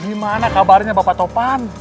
gimana kabarnya bapak topan